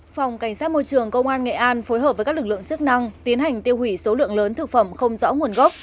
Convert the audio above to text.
phòng cảnh sát môi trường công an nghệ an phối hợp với các lực lượng chức năng tiến hành tiêu hủy số lượng lớn thực phẩm không rõ nguồn gốc